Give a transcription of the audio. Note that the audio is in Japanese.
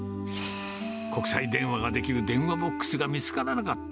国際電話ができる電話ボックスが見つからなかった。